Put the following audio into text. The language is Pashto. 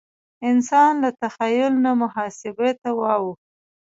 انسان له تخیل نه محاسبه ته واوښت.